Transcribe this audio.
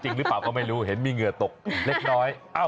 หรือเปล่าก็ไม่รู้เห็นมีเหงื่อตกเล็กน้อย